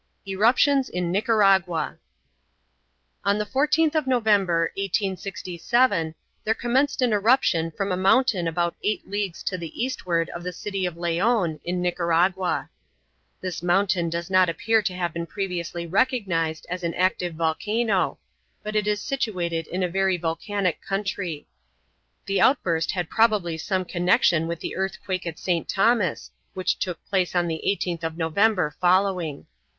ERUPTIONS IN NICARAGUA On the 14th of November, 1867, there commenced an eruption from a mountain about eight leagues to the eastward of the city of Leon, in Nicaragua. This mountain does not appear to have been previously recognized as an active volcano, but it is situated in a very volcanic country. The outburst had probably some connection with the earthquake at St. Thomas, which took place on the 18th of November following.